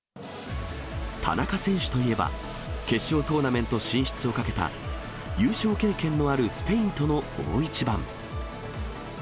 田中選手といえば、決勝トーナメント進出をかけた優勝経験のあるスペインとの大一番。